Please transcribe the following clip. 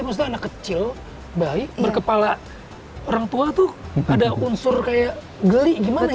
maksudnya anak kecil bayi berkepala orang tua tuh ada unsur kayak geli gimana